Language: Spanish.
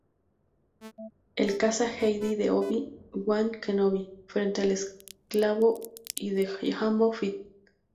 El Caza Jedi de Obi-Wan Kenobi frente al Esclavo I de Jango Fett.